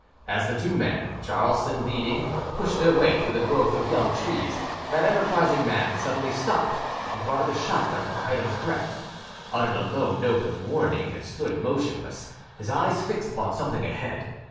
As the two men, Jaralson leading, pushed their way through the growth of young trees, that enterprising man suddenly stopped and brought up his shotgun to the height of his breast, uttered a low note of warning, and stood motionless, his eyes fixed upon something ahead.